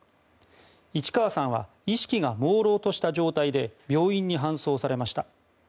市川さんは意識がもうろうとした状態で病院に搬送されました。